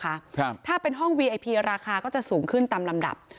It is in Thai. ครับถ้าเป็นห้องวีไอพีราคาก็จะสูงขึ้นตามลำดับ